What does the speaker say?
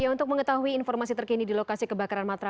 untuk mengetahui informasi terkini di lokasi kebakaran